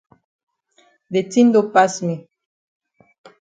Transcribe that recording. De tin don pass me.